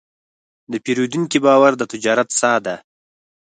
د پیرودونکي باور د تجارت ساه ده.